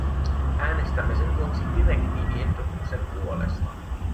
Äänestämme sen vuoksi direktiiviehdotuksen puolesta.